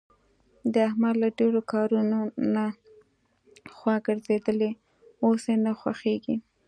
د احمد له ډېرو کارونو نه خوا ګرځېدلې ده. اوس یې نه خوښږېږي.